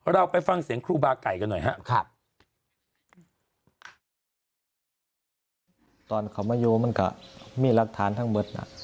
เราไปฟังเสียงครูบาไก่กันหน่อยครับ